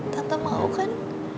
tante mau kan